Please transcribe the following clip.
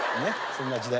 そんな時代。